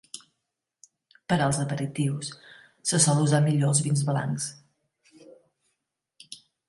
Per als aperitius se sol usar millor els vins blancs.